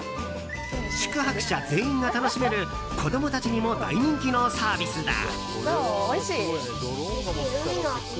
宿泊者全員が楽しめる子供たちにも大人気のサービスだ。